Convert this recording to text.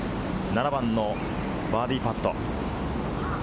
７番のバーディーパット。